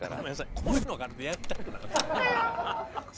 こういうのがあるとやりたくなるんです。